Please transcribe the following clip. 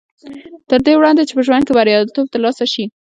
تر دې وړاندې چې په ژوند کې برياليتوب تر لاسه شي.